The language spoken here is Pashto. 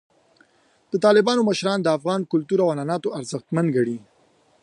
د طالبانو مشران د افغان کلتور او عنعناتو ارزښتمن ګڼي.